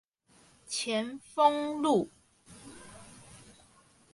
前峰路